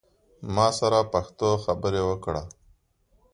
ما سره پښتو خبری اوکړه